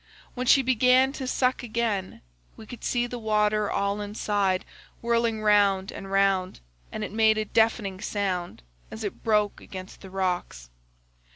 When she began to suck again, we could see the water all inside whirling round and round, and it made a deafening sound as it broke against the rocks.